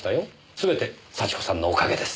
全て幸子さんのおかげです。